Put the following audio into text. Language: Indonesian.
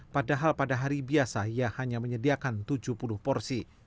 padahal pada hari biasa ia hanya menyediakan tujuh puluh porsi